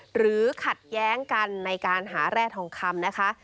ขัดแย้งกันในการหาแร่ทองคำนะคะ